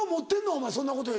お前そんなことより。